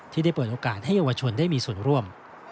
ที่ได้เปิดโอกาสให้เยาวชนได้มีส่วนร่วม